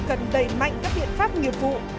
cần đẩy mạnh các biện pháp nghiệp vụ